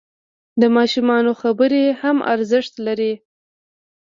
د ماشومانو خبرې هم ارزښت لري.